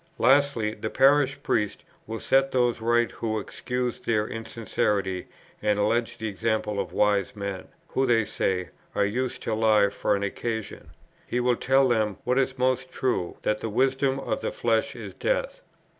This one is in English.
"Lastly, the Parish Priest will set those right who excuse their insincerity and allege the example of wise men, who, they say, are used to lie for an occasion. He will tell them, what is most true, that the wisdom of the flesh is death.